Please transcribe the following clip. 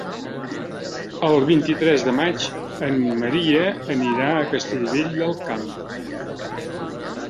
El vint-i-tres de maig en Maria anirà a Castellvell del Camp.